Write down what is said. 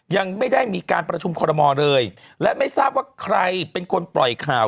ยังไม่ได้มีการประชุมคอรมอลเลยและไม่ทราบว่าใครเป็นคนปล่อยข่าว